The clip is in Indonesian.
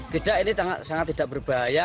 tidak ini sangat tidak berbahaya